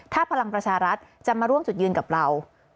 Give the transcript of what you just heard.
ถ้าพลังประชารัฐจะมาร่วมจุดยืนกับเรา